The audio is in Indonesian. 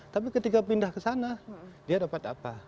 tapi ketika pindah ke sana dia dapat apa